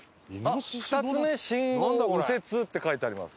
「二つ目信号右折」って書いてあります。